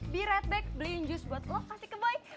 be right back beliin jus buat lo kasih ke boy